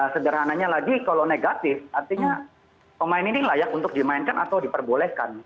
sederhananya lagi kalau negatif artinya pemain ini layak untuk dimainkan atau diperbolehkan